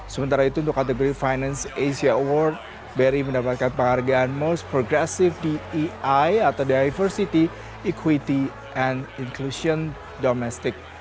sementara itu untuk kategori finance asia award bri mendapatkan penghargaan most progresif de atau diversity equity and inclusion domestic